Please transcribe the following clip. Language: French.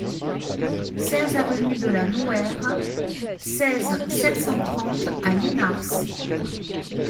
seize avenue de la Nouère, seize, sept cent trente à Linars